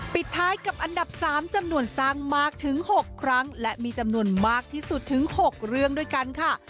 ปิดท้ายกับอันดับ๓จำนวนสร้างมากถึง๖ครั้งและมีจำนวนมากที่สุดถึง๖เรื่องด้วยกันค่ะ